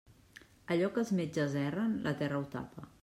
Allò que els metges erren, la terra ho tapa.